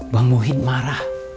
bang muhid marah